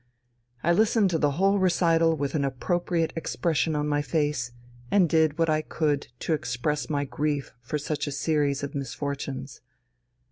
I listened to the whole recital with an appropriate expression on my face, and did what I could to express my grief for such a series of misfortunes.